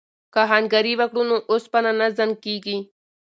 که آهنګري وکړو نو اوسپنه نه زنګ کیږي.